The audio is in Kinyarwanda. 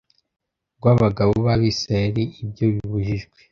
rw'abagabo b'abisirayeli ibyo bibujijwe